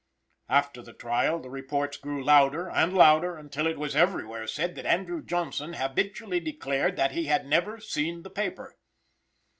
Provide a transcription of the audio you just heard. After the trial the reports grew louder and louder, until it was everywhere said that Andrew Johnson habitually declared that he had never seen the paper.